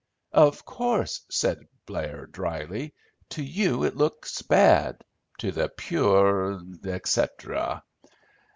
"Of course," said Blair dryly, "to you it looks bad. To the pure, etc."